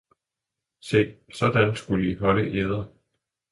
Se, sådan skulle I holde eder!